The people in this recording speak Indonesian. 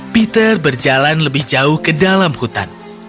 peter berjalan lebih jauh ke dalam hutan